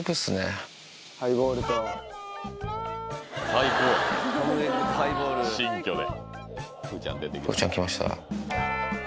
最高やね新居で。